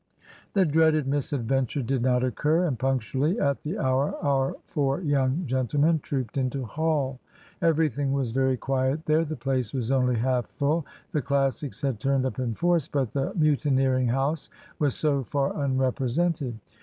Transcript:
The dreaded misadventure did not occur; and punctually at the hour our four young gentlemen trooped into Hall. Everything was very quiet there. The place was only half full. The Classics had turned up in force, but the mutineering house was so far unrepresented.